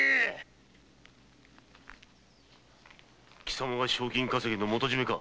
貴様が賞金稼ぎの元締めか？